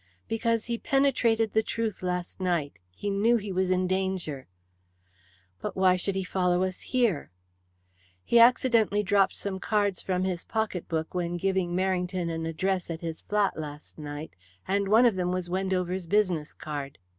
"Because he penetrated the truth last night. He knew he was in danger." "But why should he follow us here?" "He accidentally dropped some cards from his pocket book when giving Merrington an address at his flat last night, and one of them was Wendover's business card.